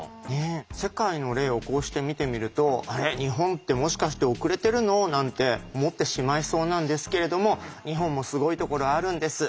世界の例をこうして見てみると「あれ？日本ってもしかして遅れてるの？」なんて思ってしまいそうなんですけれども日本もすごいところあるんです。